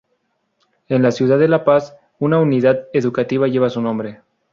En la ciudad de La Paz una unidad educativa lleva su nombre.